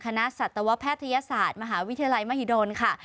สัตวแพทยศาสตร์มหาวิทยาลัยมหิดลค่ะ